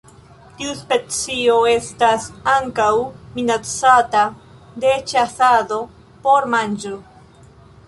Tiu specio estas ankaŭ minacata de ĉasado por manĝo.